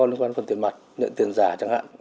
liên quan đến phần tiền mặt tiền giả chẳng hạn